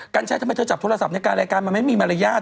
กัญชัยทำไมเธอจับโทรศัพท์ในการรายการมันไม่มีมารยาท